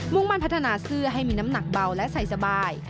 ่งมั่นพัฒนาเสื้อให้มีน้ำหนักเบาและใส่สบาย